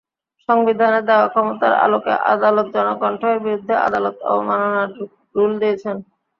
সংবিধানে দেওয়া ক্ষমতার আলোকে আদালত জনকণ্ঠ-এর বিরুদ্ধে আদালত অবমাননার রুল দিয়েছেন।